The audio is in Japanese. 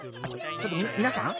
ちょっとみなさん。